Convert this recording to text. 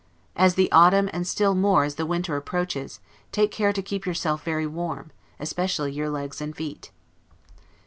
As the autumn, and still more as the winter approaches, take care to keep yourself very warm, especially your legs and feet.